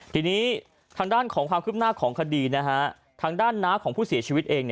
ทีนี้ทางด้านของความคืบหน้าของคดีทางด้านน้าของผู้เสียชีวิตเอง